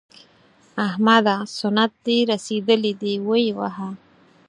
احمده! سنت دې رسېدلي دي؛ ویې وهه.